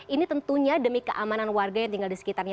ini tentunya demi keamanan warga yang tinggal di sekitarnya